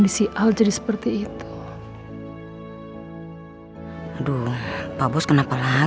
tidak ini semua gara gara mama